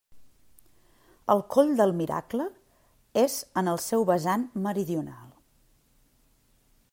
El Coll del Miracle és en el seu vessant meridional.